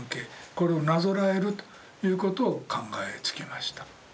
これをなぞらえるということを考えつきました。